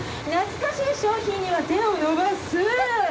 懐かしい商品には手を伸ばす。